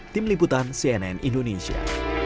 tim liputan cnn indonesia